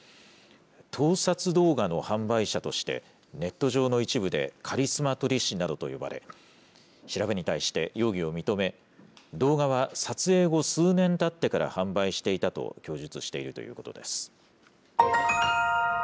盗撮動画の販売者として、ネット上の一部でカリスマ撮り師などと呼ばれ、調べに対して容疑を認め、動画は撮影後、数年たってから販売していたと供述しているということです。